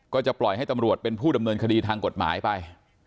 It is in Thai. ก็จะปล่อยให้ตำรวจเป็นผู้ดำเนินคดีทางกฎหมายไป